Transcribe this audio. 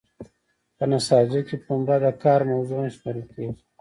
په نساجۍ کې پنبه د کار موضوع هم شمیرل کیږي.